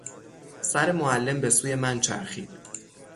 سر معلم به سوی من چرخید.